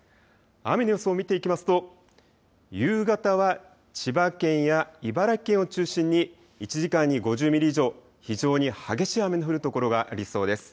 雨の予想を見ていきますと、夕方は千葉県や茨城県を中心に１時間に５０ミリ以上、非常に激しい雨の降るところがありそうです。